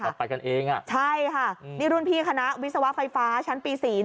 ไปกันเองอ่ะใช่ค่ะนี่รุ่นพี่คณะวิศวะไฟฟ้าชั้นปี๔